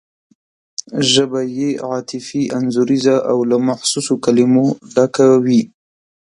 ژبه یې عاطفي انځوریزه او له محسوسو کلمو ډکه وي.